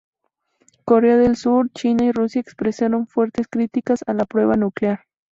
Corea del Sur, China y Rusia expresaron fuertes críticas a la prueba nuclear.